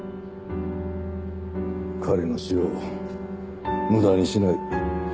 彼の死を無駄にしない。